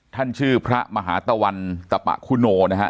ท่านชื่อพระมหาตะวันตะปะคุโนนะฮะ